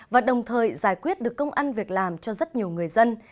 và đồng thời giải quyết được công ăn việc làm cho rất nhiều người dân